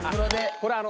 これあの。